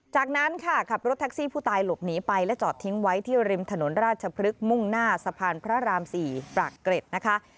จากนั้นค่ะขับรถแท็กซี่ผู้ตายหลบหนีไปและจอดทิ้งไว้ที่ริมถนนราชพฤกษ์มุ่งหน้าสะพานพระราม๔ปากเกร็ดนะคะ